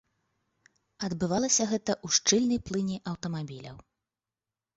Адбывалася гэта ў шчыльнай плыні аўтамабіляў.